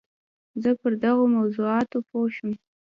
زه پر دغو موضوعاتو پوه شوم.